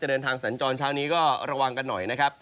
เดินทางสัญจรเช้านี้ก็ระวังกันหน่อยนะครับ